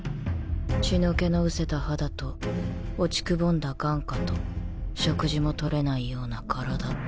血の気のうせた肌と落ちくぼんだ眼窩と食事も取れないような体。